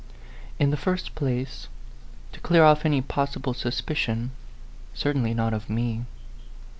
In the first place to clear off any possible suspicion certainly not of me.